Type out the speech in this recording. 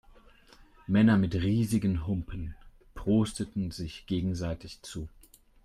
Männer mit riesigen Humpen prosteten sich gegenseitig zu.